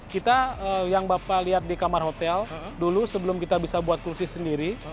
kita yang bapak lihat di kamar hotel dulu sebelum kita bisa buat kursi sendiri